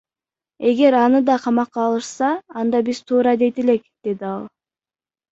Эгер аны да камакка алышса анда биз туура дейт элек, — деди ал.